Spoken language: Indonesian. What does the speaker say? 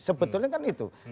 sebetulnya kan itu